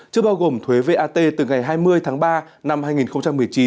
chưa bao gồm thuế vat từ ngày hai mươi tháng ba năm hai nghìn một mươi chín